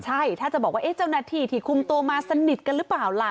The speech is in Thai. ใช่ถ้าจะบอกว่าเจ้าหน้าที่ที่คุมตัวมาสนิทกันหรือเปล่าล่ะ